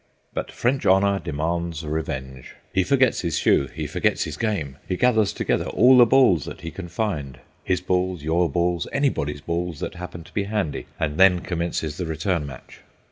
But French honour demands revenge. He forgets his shoe, he forgets his game. He gathers together all the balls that he can find; his balls, your balls, anybody's balls that happen to be handy. And then commences the return match.